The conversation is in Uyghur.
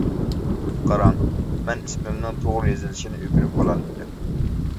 قاراڭ، مەن ئىسمىمنىڭ توغرا يېزىلىشىنى ئۆگىنىپ بولالمىدىم.